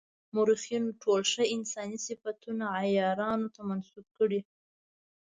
مورخینو ټول ښه انساني صفتونه عیارانو ته منسوب کړي.